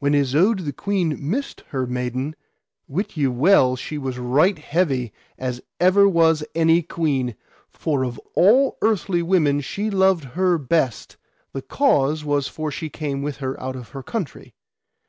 When Isoud the queen missed her maiden, wit ye well she was right heavy as ever was any queen, for of all earthly women she loved her best: the cause was for she came with her out of her country.